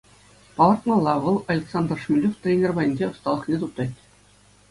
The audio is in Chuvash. Палӑртмалла: вӑл Александр Шмелев тренер патӗнче ӑсталӑхне туптать.